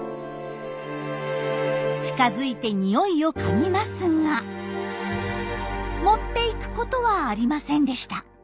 近づいてニオイを嗅ぎますが持っていくことはありませんでした。